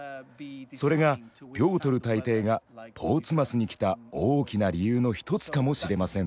それがピョートル大帝がポーツマスに来た大きな理由の一つかもしれません。